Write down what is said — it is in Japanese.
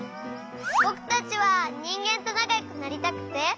ぼくたちはにんげんとなかよくなりたくて。